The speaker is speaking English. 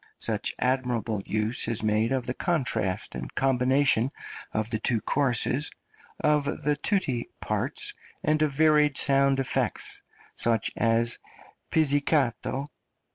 Such admirable use is made of the contrast and combination of the two choruses, of the tutti parts and of varied sound effects, such as _pizzicato, &.